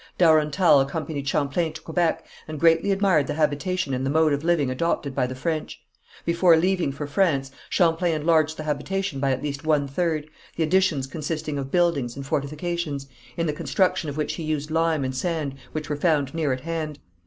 Darontal accompanied Champlain to Quebec, and greatly admired the habitation and the mode of living adopted by the French. Before leaving for France, Champlain enlarged the habitation by at least one third, the additions consisting of buildings and fortifications, in the construction of which he used lime and sand which were found near at hand.